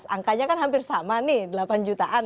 angkanya kan hampir sama nih delapan jutaan